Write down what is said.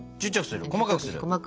細かくする。